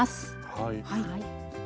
はい。